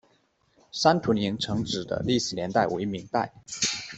三屯营城址的历史年代为明代。